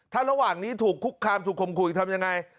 ท่านระหว่างนี้ถูกคุกคามถูกคมคุกทำอย่างไร